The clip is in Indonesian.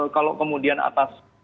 kalau kemudian atas